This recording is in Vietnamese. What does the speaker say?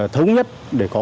thống nhất để có